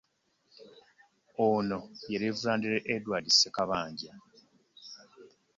Ono ye Leviranda Edward Sekabanja